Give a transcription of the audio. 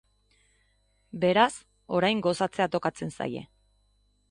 Beraz, orain gozatzea tokatzen zaie.